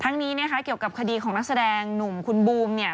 นี้นะคะเกี่ยวกับคดีของนักแสดงหนุ่มคุณบูมเนี่ย